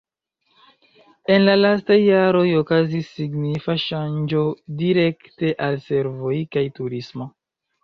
En la lastaj jaroj okazis signifa ŝanĝo direkte al servoj kaj turismo.